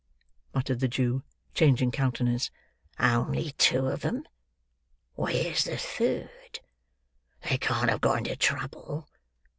muttered the Jew: changing countenance; "only two of 'em? Where's the third? They can't have got into trouble.